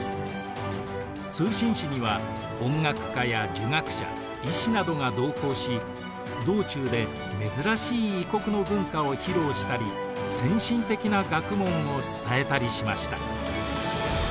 通信使には音楽家や儒学者医師などが同行し道中で珍しい異国の文化を披露したり先進的な学問を伝えたりしました。